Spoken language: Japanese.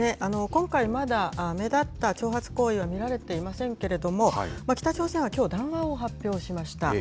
今回、まだ目立った挑発行為は見られていませんけれども、北朝鮮はきょう、談話を発表しました。